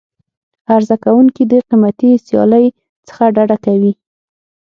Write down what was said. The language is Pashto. عرضه کوونکي د قیمتي سیالۍ څخه ډډه کوي.